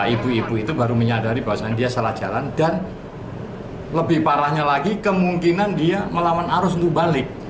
ibu ibu itu baru menyadari bahwasannya dia salah jalan dan lebih parahnya lagi kemungkinan dia melawan arus untuk balik